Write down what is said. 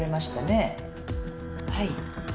「はい。